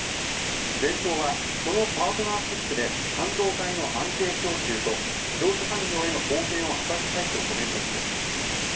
デンソーはこのパートナーシップで半導体の安定供給と自動車産業への貢献を果たしたいとコメントしています。